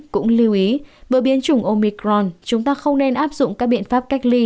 cũng lưu ý bởi biến chủng omicron chúng ta không nên áp dụng các biện pháp cách ly